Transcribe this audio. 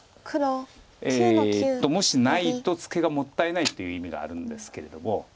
黒９の九ノビ。もしないとツケがもったいないという意味があるんですけれども。